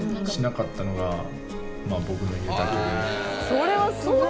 それはすごい！